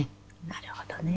なるほどね。